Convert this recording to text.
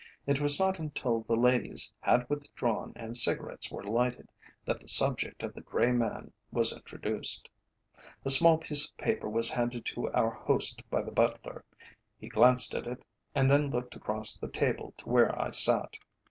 It was not until the ladies had withdrawn and cigarettes were lighted, that the subject of the grey man was introduced. A small piece of paper was handed to our host by the butler. He glanced at it and then looked across the table to where I sat.